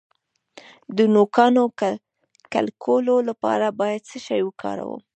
د نوکانو کلکولو لپاره باید څه شی وکاروم؟